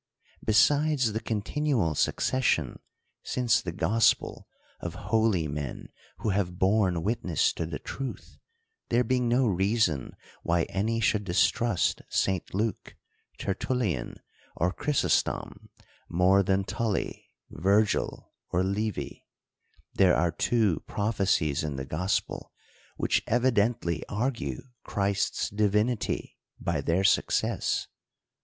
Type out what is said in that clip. Besides the continual succession, since the gospel, of holy men who have borne witness to the truth (there being no reason why any should distrust St. Luke, Ter tullian, or Chrysostom, more than Tully, Virgil, or Livy) ; there are two prophecies in the gospel, which evidently argue Christ's divinity by their success.